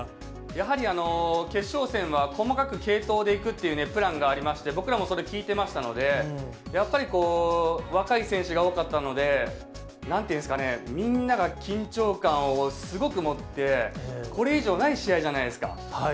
やはり決勝戦は細かく継投でいくというプランがありまして、僕らもそれ聞いてましたので、やっぱりこう、若い選手が多かったので、なんていうんですかね、みんなが緊張感をすごく持って、これ以上ない試合じゃないですか。